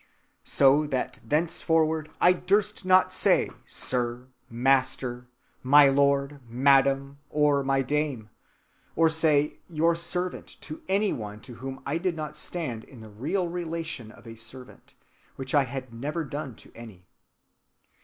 So that thenceforward I durst not say, Sir, Master, My Lord, Madam (or My Dame); or say Your Servant to any one to whom I did not stand in the real relation of a servant, which I had never done to any.